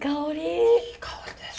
いい香りです。